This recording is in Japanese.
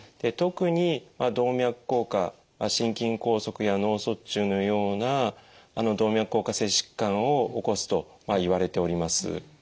特に動脈硬化心筋梗塞や脳卒中のような動脈硬化性疾患を起こすといわれております。